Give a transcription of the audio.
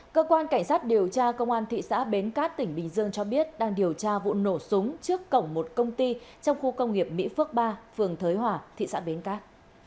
cơ quan cảnh sát điều tra công an thị xã bến cát tỉnh bình dương cho biết đang điều tra vụ nổ súng trước cổng một công ty trong khu công nghiệp mỹ phước ba phường thới hòa thị xã bến cát